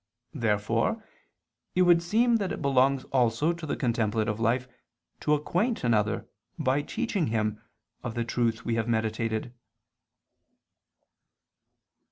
Therefore it would seem that it belongs also to the contemplative life to acquaint another, by teaching him, of the truth we have meditated.